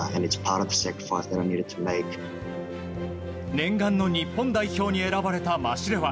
念願の日本代表に選ばれたマシレワ。